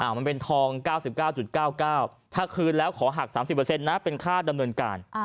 มันเป็นทอง๙๙๙๙๙๙ถ้าคืนแล้วขอหัก๓๐นะเป็นค่าดำเนินการ